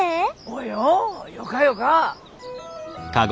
およ。よかよか。